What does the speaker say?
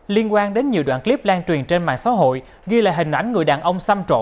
liên quan đến nhiều đoạn clip lan truyền trên mạng xã hội ghi lại hình ảnh người đàn ông xăm trộn